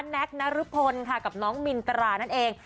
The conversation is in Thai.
แน็กนารุพลกับน้องมินตรานั่นเอง